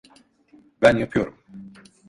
Ben yapıyorum.